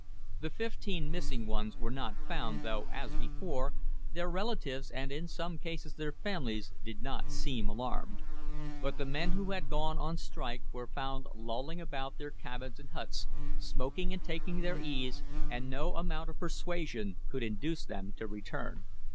The fifteen missing ones were not found, though, as before, their relatives, and, in some cases, their families, did not seem alarmed. But the men who had gone on strike were found lolling about their cabins and huts, smoking and taking their ease, and no amount of persuasion could induce them to return.